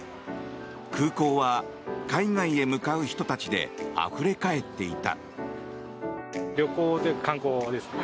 空港は海外へ向かう人たちであふれ返っていた。